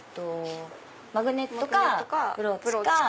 マグネットかブローチか。